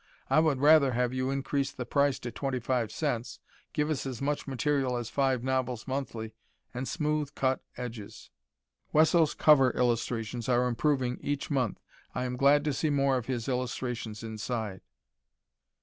I would rather have you increase the price to twenty five cents, give us as much material as Five Novels Monthly, and smooth cut edges. Wesso's cover illustrations are improving each month. I am glad to see more of his illustrations inside.